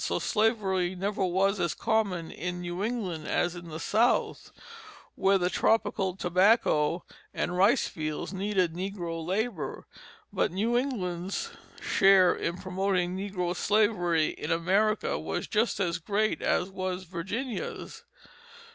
So slavery never was as common in New England as in the South, where the tropical tobacco and rice fields needed negro labor. But New England's share in promoting negro slavery in America was just as great as was Virginia's.